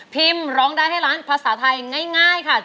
ร้องได้ให้ร้านภาษาไทยง่ายค่ะ